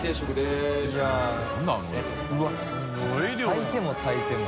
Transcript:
炊いても炊いても。